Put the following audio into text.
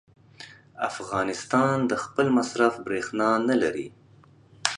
افغانستان د خپل مصرف برېښنا نه لري.